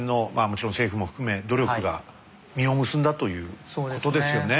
もちろん政府も含め努力が実を結んだということですよね。